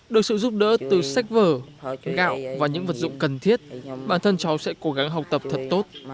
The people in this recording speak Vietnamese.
được sự giúp đỡ từ sách vở gạo và những vật dụng cần thiết bản thân cháu sẽ cố gắng học tập thật tốt